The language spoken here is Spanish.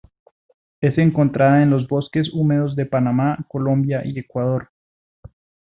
Es encontrada en los bosques húmedos de Panamá, Colombia y Ecuador.